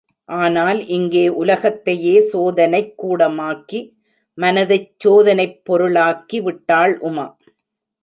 ஆனால் இங்கே உலகத்தையே சோதனைக் கூடமாக்கி, மனத்தைச் சோதனைப் பொருளாக்கி விட்டாள் உமா.